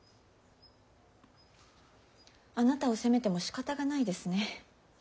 あなたを責めてもしかたがないですね。